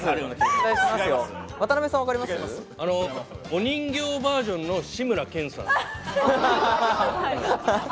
お人形バージョンの志村けんさん。